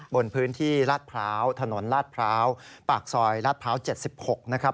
บนพื้นที่ลาดพร้าวถนนลาดพร้าวปากซอยลาดพร้าว๗๖นะครับ